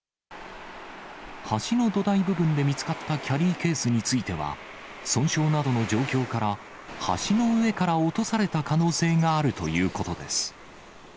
橋の土台部分で見つかったキャリーケースについては、損傷などの状況から、橋の上から落とされた可能性があるということです。